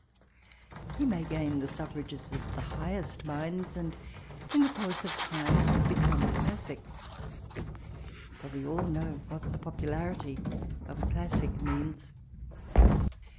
He majgain the snf mges of the highest mincte, and in coarse of time become a classic; but we all know what the popufartfy of a classic means.